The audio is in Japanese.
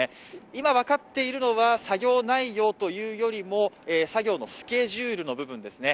今分かっているのは、作業内容というよりも作業のスケジュールの部分です。